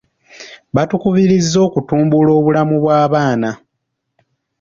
Batukubiriza okutumbula obulamu bw'abaana.